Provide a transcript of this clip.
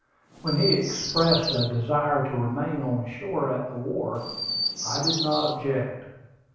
When he expressed a desire to remain on shore, at the wharf, I did not object.